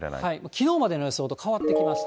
きのうまでの予想と変わってきました。